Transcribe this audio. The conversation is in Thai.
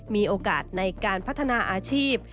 มีโอกาสในการพัฒนาอาชีพ